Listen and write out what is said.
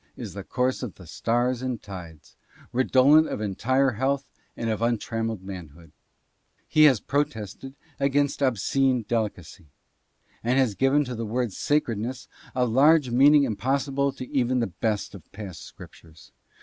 that course the course of the stars and tides, redolent of entire health ^nd of untrammeled manhood; he has protested against obscene delicacy, and has given to the word sacredness a large meaning impossible to even the best of past scriptures.